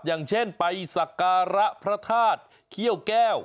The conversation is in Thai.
อย่างเช่นไปสักการะพระธาตุเขี้ยวแก้ว